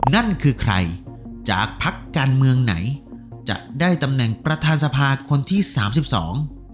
นั่นคือใครจากพักการเมืองไหนจะได้ตำแหน่งประธานสภาคนที่สามสิบสอง